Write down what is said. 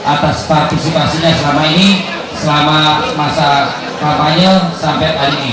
atas partisipasinya selama ini